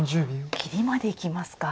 切りまでいきますか。